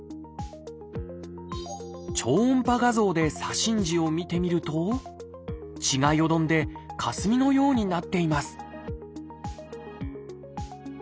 超音波画像で左心耳を見てみると血がよどんでかすみのようになっています